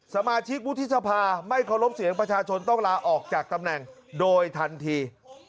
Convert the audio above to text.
สมาชิกวุฒิสภาไม่เคารพเสียงประชาชนต้องลาออกจากตำแหน่งโดยทันที